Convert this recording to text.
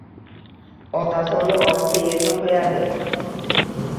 Otasi uni ohista yerga qo‘yardi…